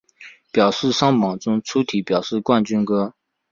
表示上榜中粗体表示冠军歌